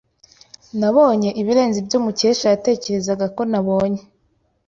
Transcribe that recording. Nabonye ibirenze ibyo Mukesha yatekerezaga ko nabonye.